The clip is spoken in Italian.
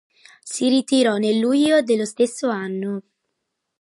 Si ritirò nel luglio dello stesso anno.